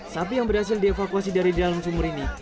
sapi yang berhasil dievakuasi dari dalam sumur ini